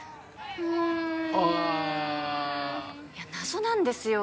うんあっいや謎なんですよ